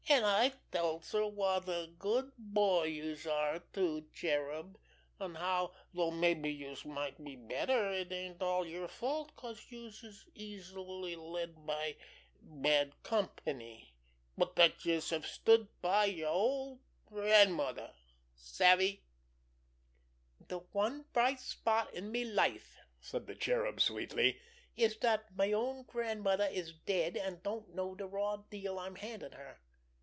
An' I tells her wot a good boy youse are, too, Cherub, an' how though mabbe youse might be better it ain't all yer fault 'cause youse're easily led by bad company, but dat youse have stood by yer old grandmother. Savvy?" "De one bright spot in me life," said the Cherub sweetly, "is dat me own grandmother is dead, an' don't know de raw deal I'm handin' her.